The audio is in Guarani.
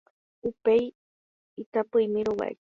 upe itapỹimi rovái